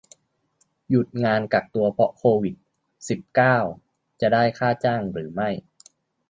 หยุดงานกักตัวเพราะโควิด สิบเก้า จะได้ค่าจ้างหรือไม่